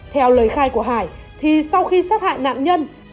theo lời khai của hải thì sau khi sát hại nạn nhân